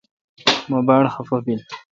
مہ باڑ خفہ بیل۔